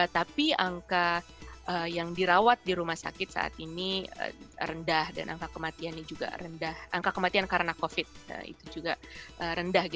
tapi angka yang dirawat di rumah sakit saat ini rendah dan angka kematian karena covid itu juga rendah